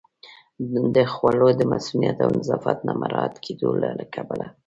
د خوړو د مصئونیت او نظافت نه مراعت کېدو له کبله